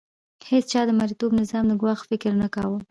هیڅ چا د مرئیتوب نظام د ګواښ فکر نه کاوه.